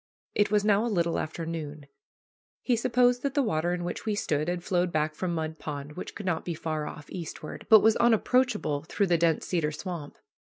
It was now a little after noon. He supposed that the water in which we stood had flowed back from Mud Pond, which could not be far off eastward, but was unapproachable through the dense cedar swamp.